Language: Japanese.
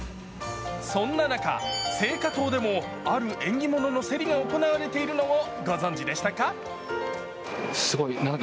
そんな中、青果棟でもある縁起物の競りが行われているのをご存じでしたか？